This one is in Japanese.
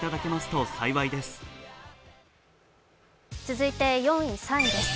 続いて４位、３位です。